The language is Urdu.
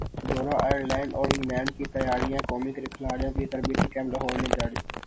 دورہ ائرلینڈ اور انگلینڈ کی تیاریاںقومی کھلاڑیوں کا تربیتی کیمپ لاہور میں جاری